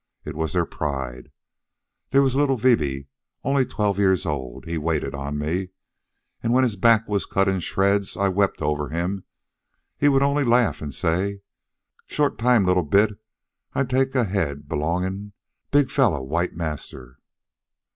It was their pride. There was little Vibi, only twelve years old he waited on me and when his back was cut in shreds and I wept over him, he would only laugh and say, 'Short time little bit I take 'm head belong big fella white marster.'